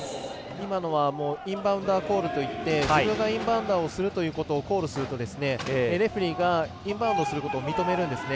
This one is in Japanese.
今のはインバウンダーコールといって自分がインバウンダーをするとコールすると、レフリーがインバウンドすることを認めるんですね。